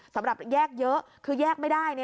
สำหรับแยกเยอะคือแยกไม่ได้